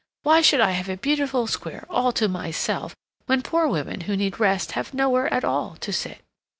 Why should I have a beautiful square all to myself, when poor women who need rest have nowhere at all to sit?"